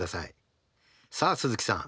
さあ鈴木さん。